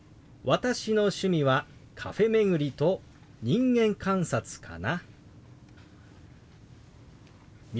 私の趣味はカフェ巡りと人間観察かな。